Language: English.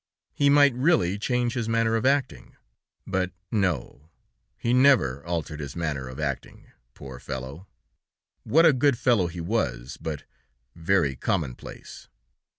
He might really change his manner of acting. But no, he never altered his manner of acting, poor fellow. What a good fellow he was, but very commonplace!